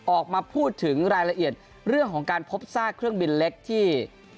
ออกมาพูดถึงรายละเอียดเรื่องของการพบซากเครื่องบินเล็กที่